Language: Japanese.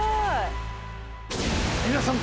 皆さん。